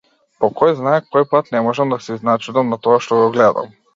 По којзнае кој пат не можам да се изначудам на тоа што го гледам.